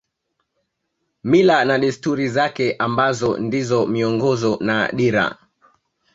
Mila na desturi zake ambazo ndizo miongozo na dira